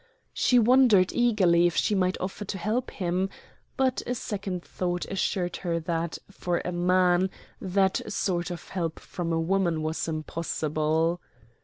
She wondered eagerly if she might offer to help him, but a second thought assured her that, for a man, that sort of help from a woman was impossible.